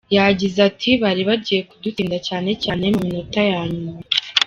Yagize ati “bari bagiye kudutsinda cyane cyane mu minota ya nyuma”.